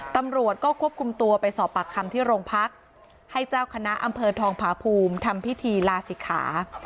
ตำรวจก็ควบคุมตัวไปสอบปากคำที่โรงพักให้เจ้าคณะอำเภอทองผาภูมิทำพิธีลาศิกขา